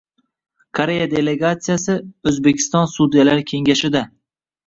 Koreya delegatsiyasi O‘zbekiston Sudyalar kengashidang